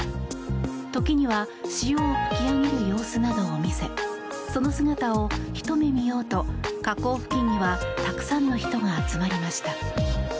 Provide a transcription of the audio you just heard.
時には潮を吹き上げる様子などを見せその姿をひと目見ようと河口付近にはたくさんの人が集まりました。